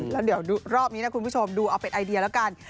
แล้วรอบนี้คุณผู้ชมเดี๋ยวดูออร์เพจไอเดียแล้วกัน